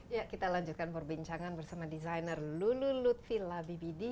ya kita lanjutkan perbincangan bersama designer lulu lutfila bbd